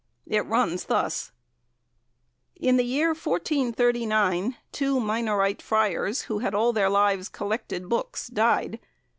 It runs thus: "In the year 1439, two Minorite friars who had all their lives collected books, died.